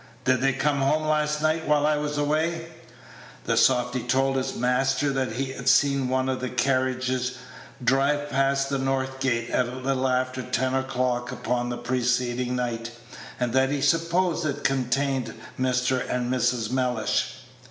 Did they come home last night while I was away?" The softy told his master that he had seen one of the carriages drive past the north gates at a little after ten o'clock upon the preceding night, and that he supposed it contained Mr. and Mrs. Mellish.